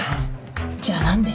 じゃあ何で？